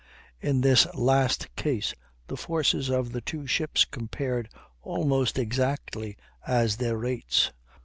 In this last case the forces of the two ships compared almost exactly as their rates.